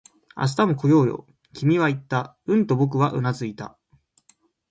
「明日も来ようよ」、君は言った。うんと僕はうなずいた